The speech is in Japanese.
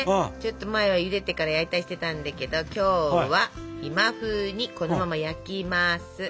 ちょっと前はゆでてから焼いたりしてたんだけど今日は今ふうにこのまま焼きます。